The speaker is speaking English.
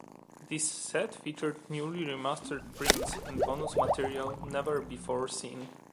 This set featured newly remastered prints and bonus material never before seen.